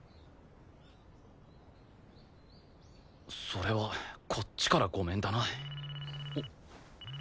それはこっちからごめんだな。